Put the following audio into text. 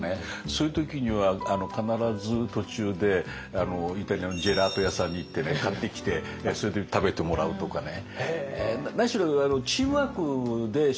そういう時には必ず途中でイタリアのジェラート屋さんに行って買ってきてそれで食べてもらうとかね。